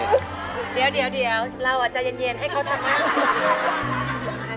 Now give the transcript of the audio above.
เดี๋ยวเราอาจจะเย็นให้เขาทำหน้า